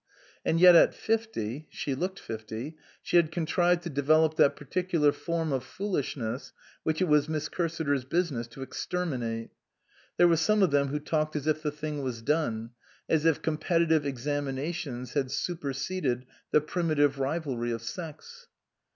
And yet at fifty (she looked fifty) she had con trived to develop that particular form of foolish ness which it was Miss Cursiter's business to exterminate. There were some of them who talked as if the thing was done ; as if competi tive examinations had superseded the primitive rivalry of sex.